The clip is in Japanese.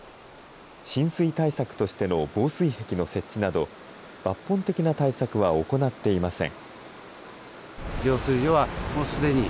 浸水対策としての防水壁の設置など、抜本的な対策は行っていません。